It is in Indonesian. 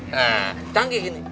nah canggih gini